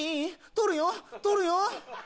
取るよ取るよ。